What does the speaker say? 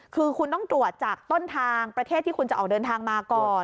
คือคุณต้องตรวจจากต้นทางประเทศที่คุณจะออกเดินทางมาก่อน